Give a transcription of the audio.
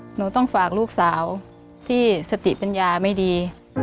หนูต้องฝากลูกสาวที่สติปัญญาไม่ดี